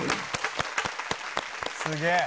すげえ。